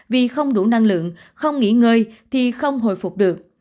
vì không đủ năng lượng không nghỉ ngơi thì không hồi phục được